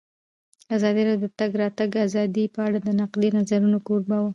ازادي راډیو د د تګ راتګ ازادي په اړه د نقدي نظرونو کوربه وه.